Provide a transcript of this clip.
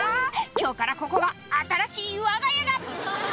「今日からここが新しいわが家だ」